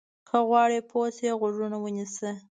که غواړې پوه شې، غوږ ونیسه.